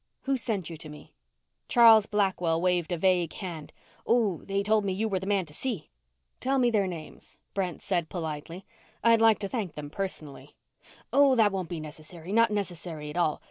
"Who sent you to me?" Charles Blackwell waved a vague hand, "Oh, they told me you were the man to see." "Tell me their names," Brent said politely. "I'd like to thank them personally." "Oh that won't be necessary not necessary at all.